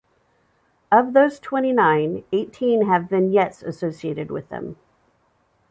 Of those twenty-nine, eighteen have vignettes associated with them.